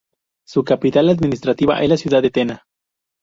Su capital administrativa es la ciudad de Tena.